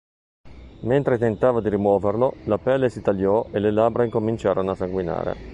Mentre tentava di rimuoverlo, la pelle si tagliò e le labbra incominciarono a sanguinare.